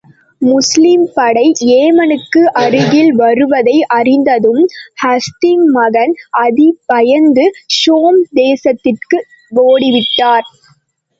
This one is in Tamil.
முஸ்லிம் படை ஏமனுக்கு அருகில் வருவதை அறிந்ததும் ஹாத்திம் மகன் அதி பயந்து ஷாம் தேசத்துக்கு ஓடிவிட்டார்.